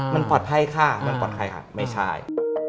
มันปลอดไครก่ะไม่ใช่